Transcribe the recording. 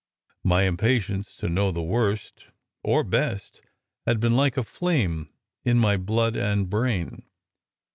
My impatience to know the worst or best had been like a flame in my blood and brain.